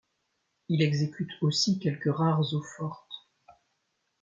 Il exécute aussi quelques rares eaux-fortes.